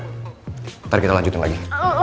ntar kita lanjutin lagi